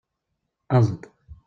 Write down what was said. Aẓ-d!